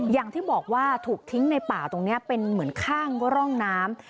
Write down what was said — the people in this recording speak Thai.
อย่างที่บอกว่าถูกทิ้งในป่าตรงนี้เป็นเหมือนข้างร่องน้ำ